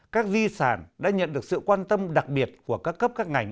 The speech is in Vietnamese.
các di sản đã nhận được sự quan tâm đặc biệt của các cấp các ngành